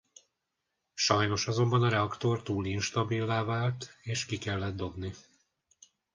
Sajnos azonban a reaktor túl instabillá vált és ki kellett dobni.